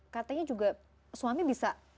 katanya juga suami bisa